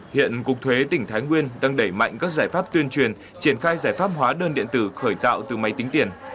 hiện cục thuế tỉnh thái nguyên đang đẩy mạnh các giải pháp tuyên truyền triển khai giải pháp hóa đơn điện tử khởi tạo từ máy tính tiền